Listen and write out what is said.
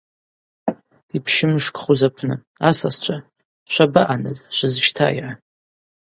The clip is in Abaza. Йпщымшкӏхуз апны: – Асасчва, швабаъаныз, швызщтайа?